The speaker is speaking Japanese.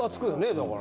だから。